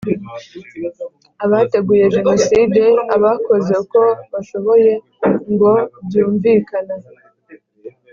abateguye jenoside, bakoze uko bashoboye ngo byumvikana